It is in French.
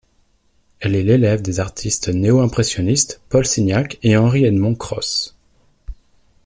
Elle est l’élève des artistes néo-impressionnistes, Paul Signac et Henri-Edmond Cross.